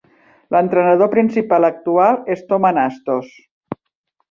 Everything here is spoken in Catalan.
L'entrenador principal actual és Tom Anastos.